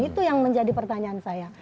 itu yang menjadi pertanyaan saya